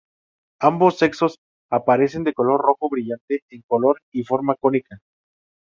Ambos sexos aparecen de color rojo brillante en color y forma cónica.